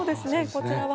こちらは。